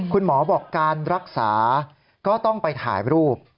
คุณหมอบอกการรักษาก็ต้องไปถ่ายรูป